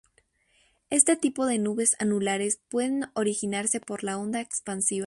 Este tipo de nubes anulares pueden originarse por la onda expansiva.